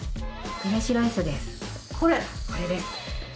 これです。